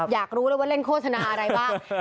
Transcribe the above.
อยากรู้แล้วว่าเล่นโฆษณาอะไรบ้าง